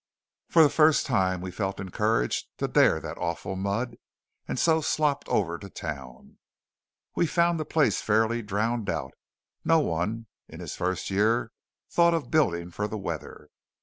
For the first time we felt encouraged to dare that awful mud, and so slopped over to town. We found the place fairly drowned out. No one, in his first year, thought of building for the weather.